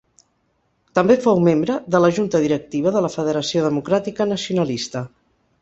També fou membre de la junta directiva de la Federació Democràtica Nacionalista.